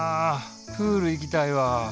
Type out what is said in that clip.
プール行きたいわ。